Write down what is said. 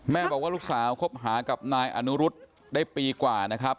บอกว่าลูกสาวคบหากับนายอนุรุษได้ปีกว่านะครับ